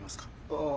ああ。